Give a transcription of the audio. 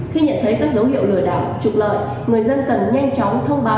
khi nhận thấy các dấu hiệu lừa đảo trục lợi người dân cần nhanh chóng thông báo